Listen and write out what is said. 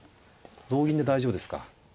同銀で大丈夫ですか。